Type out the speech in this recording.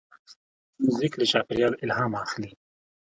موزیک له چاپېریال الهام اخلي.